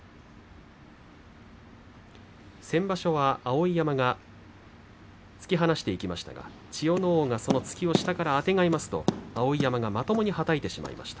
先場所は碧山が突き放していきましたが千代ノ皇が、その突きを下からあてがいますと碧山がまともにはたいてしまいました。